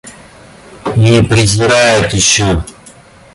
И презирает еще.